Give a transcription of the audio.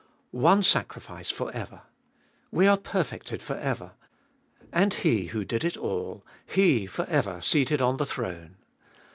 2. One sacrifice for ever. We perfected for ever. And HE who did it all, HE for ever seated on the throne.